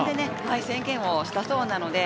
宣言をしたそうです。